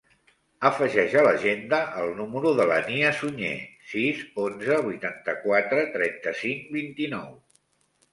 Afegeix a l'agenda el número de la Nia Suñer: sis, onze, vuitanta-quatre, trenta-cinc, vint-i-nou.